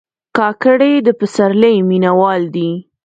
کاکړي د پسرلي مینهوال دي.